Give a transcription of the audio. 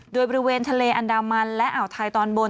โดยบริเวณทะเลอันดามันและอ่าวไทยตอนบน